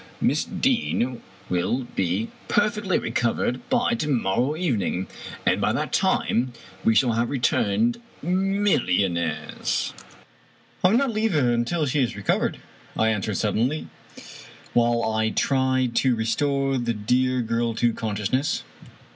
Miss Deane will be per fectly recovered by to morrow evening, and by that time we shall have returned, millionnaires" " I will not leave her until she is recovered," I answered sullenly, while I tried to restore the dear girl to conscious ness.